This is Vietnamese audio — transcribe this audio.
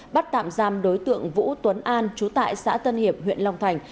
bắt tạm giam đối tượng vũ tuấn an chú tại xã tân hiệp huyện long thành